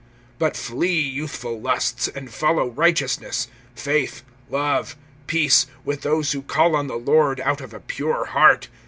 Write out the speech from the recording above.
(22)But flee youthful lusts; and follow righteousness, faith, love, peace, with those who call on the Lord out of a pure heart.